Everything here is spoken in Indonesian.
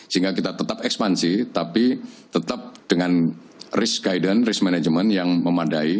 sehingga kita tetap ekspansi tapi tetap dengan risk guidance risk management yang memadai